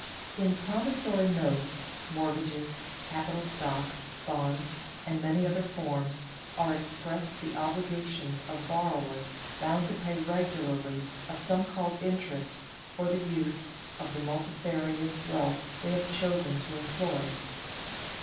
In promissory notes, mortgages, capital stock, bonds, and many other forms, are expressed the obligations of borrowers bound to pay regularly a sum called interest for the use of the multifarious wealth they have chosen to employ.